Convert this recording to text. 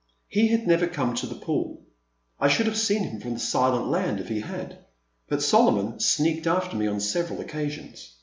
He had never come to the pool, — I should have seen him from the Silent Land if he had, — but Solomon sneaked after me on several occasions.